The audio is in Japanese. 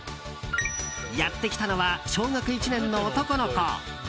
やってきたのは小学１年の男の子。